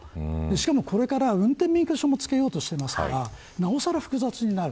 しかもこれから運転免許証も付けようとしてますからなおさら複雑になる。